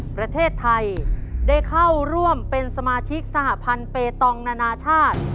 ประเทศไทยได้เข้าร่วมเป็นสมาชิกสหพันธ์เปตองนานาชาติ